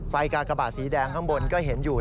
กากระบาดสีแดงข้างบนก็เห็นอยู่